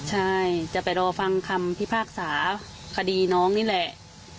ใช่จะไปรอฟังคำพิพากษาคดีน้องนี่แหละ